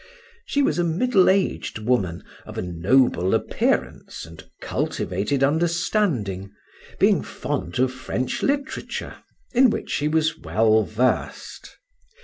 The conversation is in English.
She was a middle aged woman, of a noble appearance and cultivated understanding, being fond of French literature, in which she was well versed.